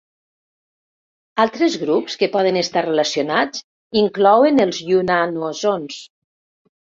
Altres grups que poden estar relacionats inclouen els yunnanozoons.